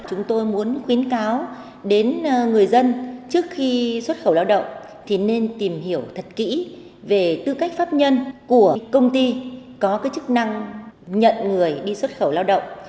chúng tôi muốn khuyến cáo đến người dân trước khi xuất khẩu lao động thì nên tìm hiểu thật kỹ về tư cách pháp nhân của công ty có chức năng nhận người đi xuất khẩu lao động